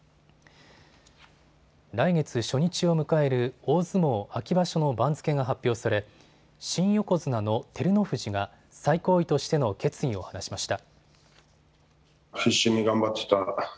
来月、初日を迎える大相撲秋場所の番付が発表され、新横綱の照ノ富士が最高位としての決意を話しました。